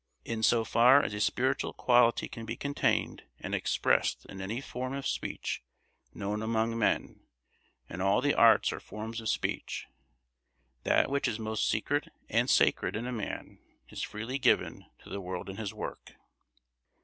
In so far as a spiritual quality can be contained and expressed in any form of speech known among men and all the arts are forms of speech that which is most secret and sacred in a man is freely given to the world in his work.